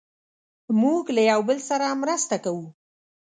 موږ له یو بل سره مرسته کوو.